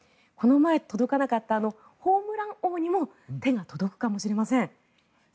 この前、届かなかったホームラン王にも手が届くかもしれません。